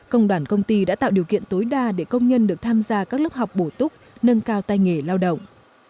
công đoàn công ty đã tạo điều kiện tối đa để công nhân được tham gia các lớp học bổ túc nâng cao tay nghề lao động